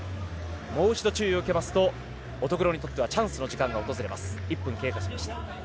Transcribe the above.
もう一度注意を受けますと乙黒にとってはチャンスの時間が訪れます。